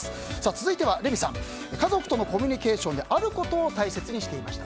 続いては、レミさん家族とのコミュニケーションであることを大切にしていました。